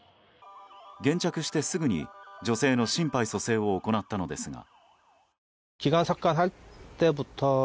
現着してすぐに女性の心肺蘇生を行ったのですが。